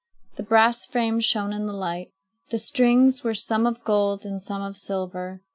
The brass frame shone in the light. The strings were some of gold and some of silver.